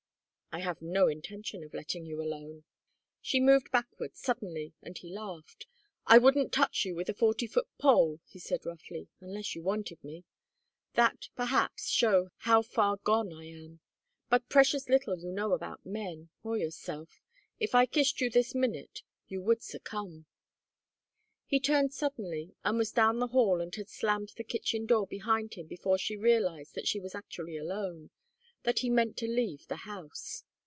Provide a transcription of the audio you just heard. "I have no intention of letting you alone." She moved backward suddenly, and he laughed. "I wouldn't touch you with a forty foot pole," he said, roughly, "unless you wanted me. That, perhaps, shows how far gone I am. But precious little you know about men. Or yourself. If I kissed you this minute you would succumb " He turned suddenly and was down the hall and had slammed the kitchen door behind him before she realized that she was actually alone, that he meant to leave the house.